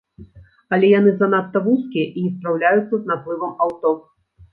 Але яны занадта вузкія і не спраўляюцца з наплывам аўто.